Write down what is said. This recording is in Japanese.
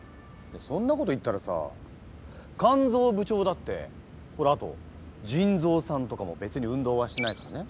そんなこと言ったらさ肝ぞう部長だってほらあと腎ぞうさんとかも別に運動はしないからね。